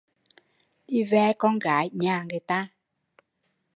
Đi ve con gái nhà người ta